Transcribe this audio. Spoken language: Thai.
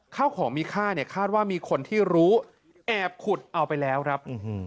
ข้าวของมีค่าเนี่ยคาดว่ามีคนที่รู้แอบขุดเอาไปแล้วครับ